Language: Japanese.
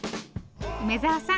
梅沢さん